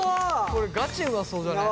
これガチうまそうじゃねえ？